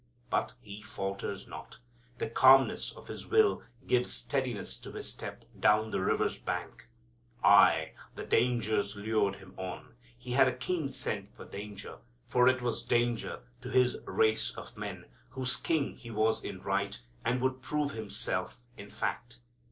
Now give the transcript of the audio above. But He falters not. The calmness of His will gives steadiness to His step down the river's bank. Aye, the dangers lured Him on. He had a keen scent for danger, for it was danger to His race of men, whose King He was in right and would prove Himself in fact.